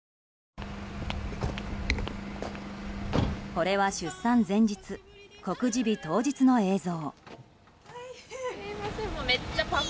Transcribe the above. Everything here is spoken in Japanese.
これは、出産前日告示日当日の映像。